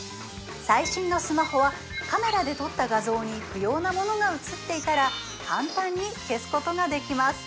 最新のスマホはカメラで撮った画像に不要な物が写っていたら簡単に消すことができます